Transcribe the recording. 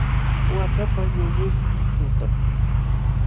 Waakapa ñuñun suqtam.